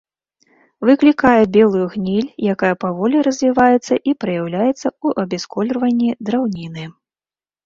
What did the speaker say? Выклікае белую гніль, якая паволі развіваецца і праяўляецца ў абясколерванні драўніны.